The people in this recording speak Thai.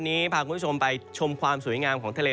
พาคุณผู้ชมไปชมความสวยงามของทะเล